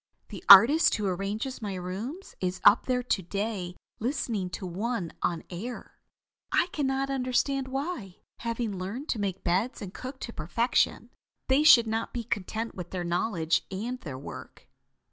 The artist who arranges my rooms is up there to day listening to one on air. I can not understand why, having learned to make beds and cook to perfection, they should not be content with their knowledge and their work."